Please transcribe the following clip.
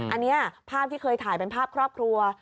อันนี้ภาพที่เคยถ่ายเป็นภาพครอบครัว